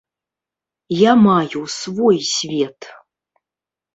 Я маю свой свет.